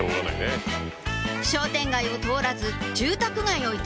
商店街を通らず住宅街を行きます